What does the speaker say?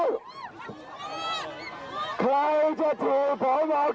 ผมบอกอย่างเดียวว่าผมไม่ยอม